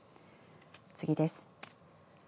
次です。